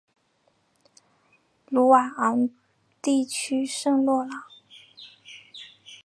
鲁瓦昂地区圣洛朗。